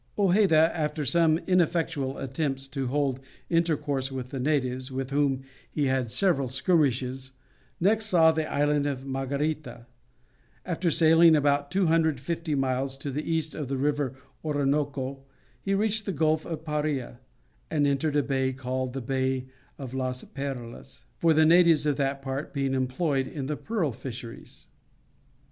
Hojeda, after some ineffectual attempts to hold intercourse with the natives, with whom he had several skirmishes, next saw the Island of Margarita; after sailing about 250 miles to the east of the river Orinoco he reached the Gulf of Paria, and entered a bay called the Bay of Las Perlas, from the natives of that part being employed in the pearl fisheries.